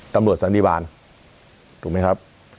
ตำรวจสันดิบาลถูกไหมครับ